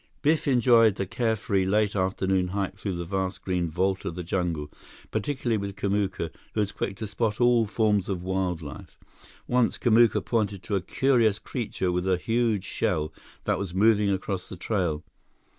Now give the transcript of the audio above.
Biff enjoyed the carefree, late afternoon hike through the vast green vault of the jungle, particularly with Kamuka, who was quick to spot all forms of wild life. Once, Kamuka pointed to a curious creature with a huge shell that was moving across the trail.